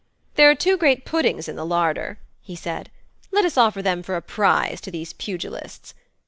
'There are two great puddings in the larder,' he said. 'Let us offer them for a prize to these pugilists.